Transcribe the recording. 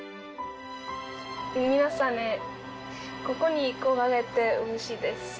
「皆さんへここに来られて嬉しいです。